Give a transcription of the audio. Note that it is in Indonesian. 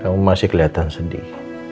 kamu masih kelihatan sedih